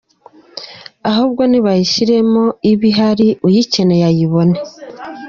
Ahubwo nibayishyiremo ibe ihari uyikeneye ayibone”.